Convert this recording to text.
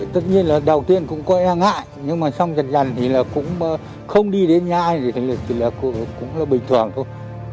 tất nhiên là đầu tiên cũng có ngại nhưng mà xong dần dần thì cũng không đi đến nhà thì cũng là bình thường thôi